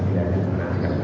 pilihannya juga dianggapnya